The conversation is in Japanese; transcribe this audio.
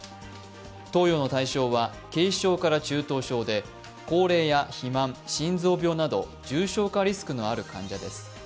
投与の対象は軽症から中等症で高齢や肥満、心臓病など、重症化リスクのある患者です。